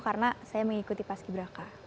karena saya mengikuti pas kiberaka